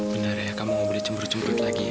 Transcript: bener ya kamu mau boleh cember cembert lagi ya